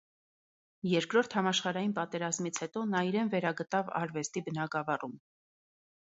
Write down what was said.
Երկրորդ համաշխարհային պատերազմից հետո նա իրեն վերագտավ արվեստի բնագավառում։